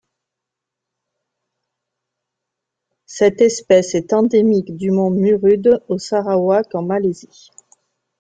Cette espèce est endémique du mont Murud au Sarawak en Malaisie.